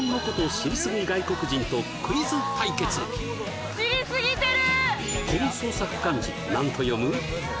知りすぎてる！